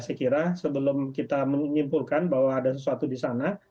saya kira sebelum kita menyimpulkan bahwa ada sesuatu di sana